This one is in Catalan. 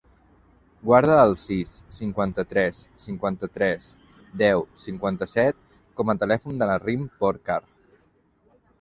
Guarda el sis, cinquanta-tres, cinquanta-tres, deu, cinquanta-set com a telèfon de la Rym Porcar.